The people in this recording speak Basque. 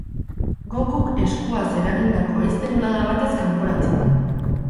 Gokuk eskuaz eragindako haize bolada batez kanporatzen du.